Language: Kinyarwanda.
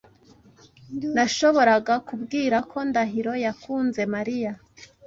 Nashoboraga kubwira ko Ndahiro yakunze Mariya.